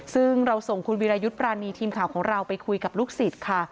ซึ่งเราส่งคุณวิรายุทธ์ปรานีทีมข่าวของเราไปคุยกับลูกศิษย์ค่ะ